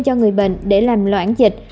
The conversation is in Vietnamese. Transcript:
cho người bệnh để làm loạn dịch